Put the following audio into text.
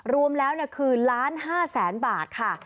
รวมแล้วคือ๑๕๐๐๐๐๐บาทค่ะ